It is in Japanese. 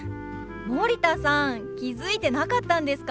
森田さん気付いてなかったんですか？